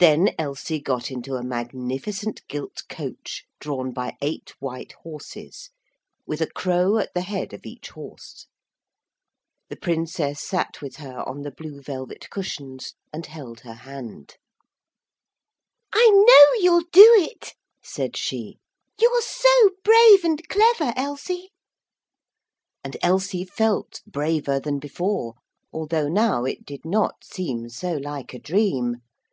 Then Elsie got into a magnificent gilt coach, drawn by eight white horses, with a crow at the head of each horse. The Princess sat with her on the blue velvet cushions and held her hand. 'I know you'll do it,' said she; 'you're so brave and clever, Elsie!' And Elsie felt braver than before, although now it did not seem so like a dream.